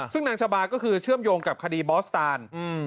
ซึ่งนางชาบาก็คือเชื่อมโยงกับคดีบอสตาน